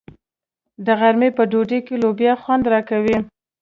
د غرمې په ډوډۍ کې لوبیا خوند راکوي.